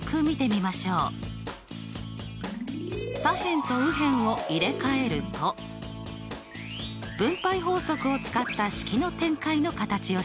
左辺と右辺を入れ替えると分配法則を使った式の展開の形をしていますね。